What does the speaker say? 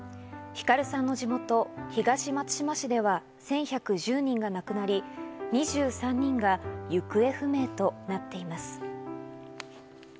ひかるさんの地元・東松島市では１１１０人が亡くなり、２３人が行方不明となっています。